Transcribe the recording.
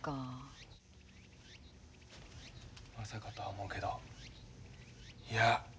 まさかとは思うけどいや